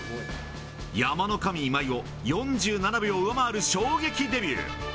山の神、今井を４７秒上回る衝撃デビュー。